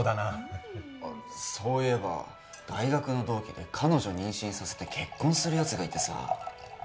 あっそういえば大学の同期で彼女妊娠させて結婚する奴がいてさ。